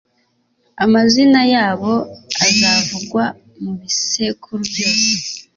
amazina yabo azavugwa mu bisekuru byose,